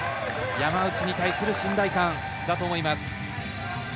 山内に対する信頼感だと思います。